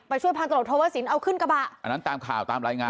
ช่วยพันตรวจโทวสินเอาขึ้นกระบะอันนั้นตามข่าวตามรายงาน